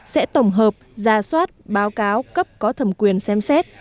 sẽ tổng hợp ra soát báo cáo cấp có thẩm quyền xem xét